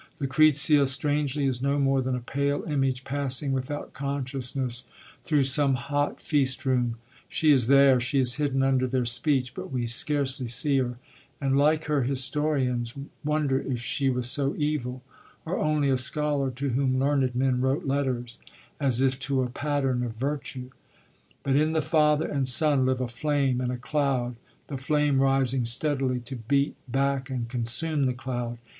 Lucrezia, strangely, is no more than a pale image passing without consciousness through some hot feast room; she is there, she is hidden under their speech, but we scarcely see her, and, like her historians, wonder if she was so evil, or only a scholar to whom learned men wrote letters, as if to a pattern of virtue. But in the father and son live a flame and a cloud, the flame rising steadily to beat back and consume the cloud.